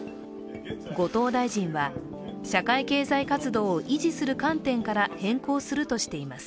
後藤大臣は、社会経済活動を維持する観点から変更するとしています。